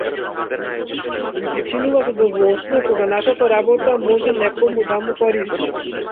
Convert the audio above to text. Ни причинува задоволство кога нашата работа може некому да му користи.